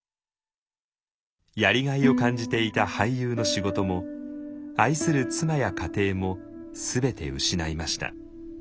やりがいを感じていた俳優の仕事も愛する妻や家庭も全て失いました。